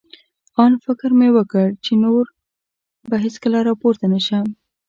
آن فکر مې وکړ، چې نور به هېڅکله را پورته نه شم.